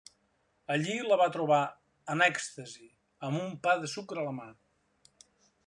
Allí la va trobar en èxtasi amb un pa de sucre a la mà.